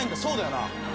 そうだよな？